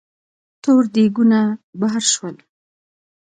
تور دېګونه بار شول.